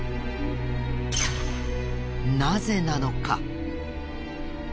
なぜなのか？